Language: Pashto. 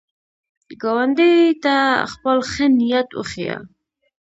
ګاونډي ته خپل ښه نیت وښیه